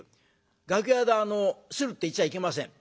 楽屋で「する」って言っちゃいけません。